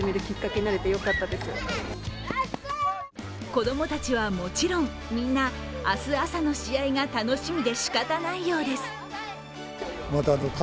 子供たちはもちろん、みんな明日朝の試合が楽しみでしかたないようです。